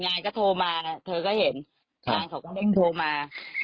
งานก็โทรมาเธอก็เห็นช่างเขาก็ไม่ได้โทรมา